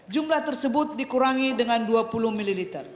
jumlah tersebut dikurangi dengan dua puluh ml